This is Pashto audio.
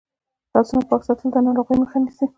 لاسونه پاک ساتل د ناروغیو مخه نیسي.